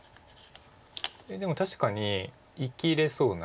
でも確かに生きれそうな。